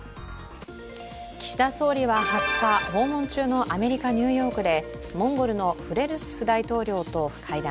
岸田総理は２０日、訪問中のアメリカ・ニューヨークでモンゴルのフレルスフ大統領と会談。